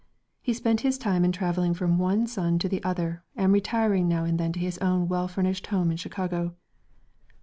He spent his time in travelling from one son to the other and retiring now and then to his own well furnished home in Chicago.